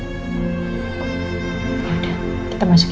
yaudah kita masuk ya